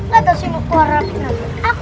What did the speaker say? gatau sih mau keluar rambut nanti